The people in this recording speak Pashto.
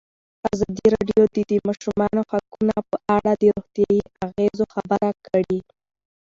ازادي راډیو د د ماشومانو حقونه په اړه د روغتیایي اغېزو خبره کړې.